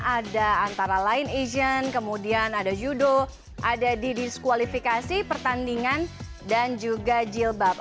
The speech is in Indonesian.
ada antara lain asian kemudian ada judo ada di diskualifikasi pertandingan dan juga jilbab